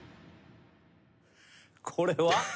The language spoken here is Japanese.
これは？